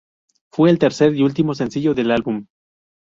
Fue el tercer y último sencillo del álbum.